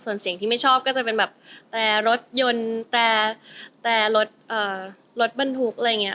ส่วนเสียงที่ไม่ชอบก็จะเป็นแบบแตรรถยนต์แต่รถบรรทุกอะไรอย่างนี้